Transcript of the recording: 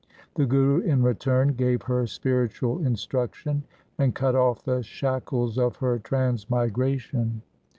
The Guru in return gave her spiritual instruction, and cut off the shackles of her transmigration.